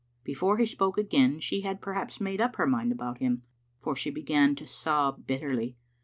Before he spoke again she had perhaps made up her mind about him, for she began to sob bitterly.